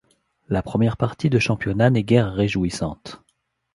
La première partie de championnat n'est guère réjouissante.